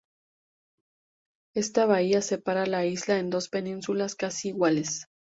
Ésta bahía separa la isla en dos penínsulas casi iguales.